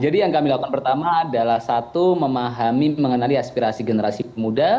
jadi yang kami lakukan pertama adalah satu memahami mengenali aspirasi generasi muda